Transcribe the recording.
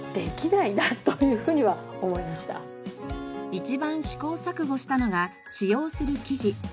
一番試行錯誤したのが使用する生地。